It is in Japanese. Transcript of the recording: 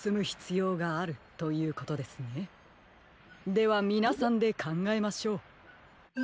ではみなさんでかんがえましょう。